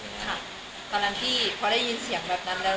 ตอนนั้นพี่พอได้ยินเสียงแบบนั้นแล้ว